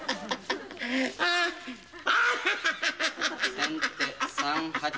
先手３八。